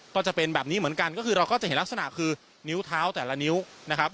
ก็จะเป็นแบบนี้เหมือนกันก็คือเราก็จะเห็นลักษณะคือนิ้วเท้าแต่ละนิ้วนะครับ